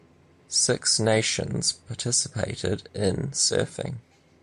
Six nations participated in surfing.